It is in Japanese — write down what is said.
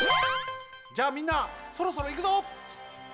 じゃあみんなそろそろいくぞ！